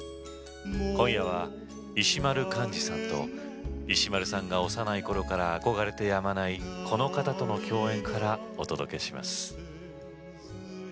今夜は石丸幹二さんと石丸さんが幼いころから憧れてやまないこの方との共演からお届けします。